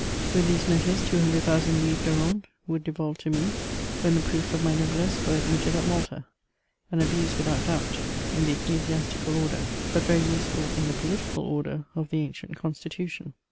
With these letters, 200,000 livres de rentes would devolve to me, when the proofs of my noblesse were admitted at Malta : an abuse, without doubt, in the ecclesiastical order, but very useful in the political order of the ancient constitution.